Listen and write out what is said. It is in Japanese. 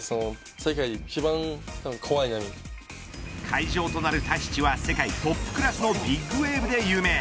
会場となるタヒチは世界トップクラスのビッグウェーブで有名。